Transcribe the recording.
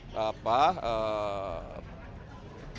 dan saya baru menyiapkan